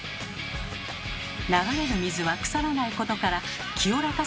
流れる水は腐らないことから「清らかさ」の象徴です。